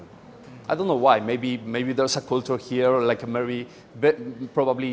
saya tidak tahu mengapa mungkin ada kultur di sini mungkin anda sangat kreatif